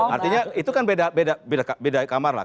artinya itu kan beda kamar lah